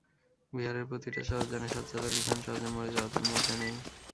বিহারের প্রতিটা শহর জানে সাজ্জাদ আলী খান সহজে মরে যাওয়াদের মধ্যে নেই।